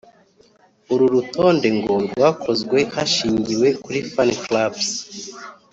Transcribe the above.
uru rutonde ngo rwakozwe hashingiwe kuri fan clubs